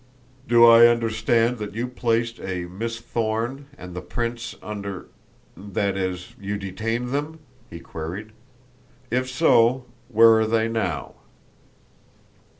"Do I understand that you placed a Miss Thorne and the prince under that is, you detained them?" he queried. "If so, where are they now?"